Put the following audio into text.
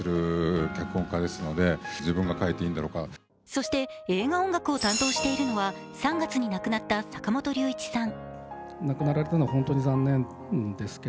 そして、映画音楽を担当しているのは３月に亡くなった坂本龍一さん